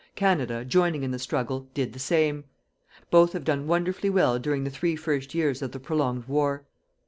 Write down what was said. Canada, joining in the struggle, did the same. Both have done wonderfully well during the three first years of the prolonged war.